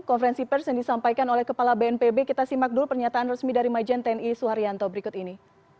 konferensi pers yang disampaikan oleh kepala bnpb kita simak dulu pernyataan resmi dari majen tni suharyanto berikut ini